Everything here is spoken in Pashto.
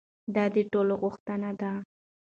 دا د ټولو غوښتنه ده.